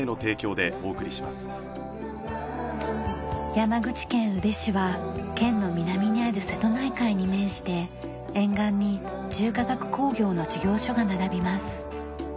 山口県宇部市は県の南にある瀬戸内海に面して沿岸に重化学工業の事業所が並びます。